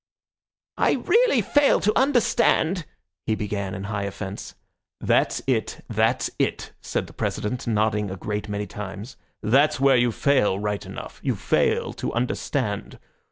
"I really fail to understand—" he began in high offense. "That's it, that's it," said the President, nodding a great many times. "That's where you fail right enough. You fail to understand.